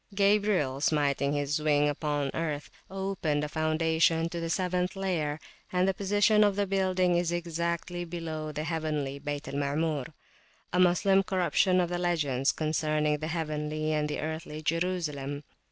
Gabriel, smiting his wing upon earth, opened a foundation to the seventh layer, and the position of the building is exactly below the heavenly Bayt al Maamur,a Moslem corruption of the legends concerning the heavenly and the earthly Jerusalem.